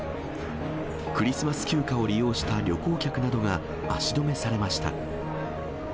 クリスマス休暇を利用した旅行客などが、足止めされました。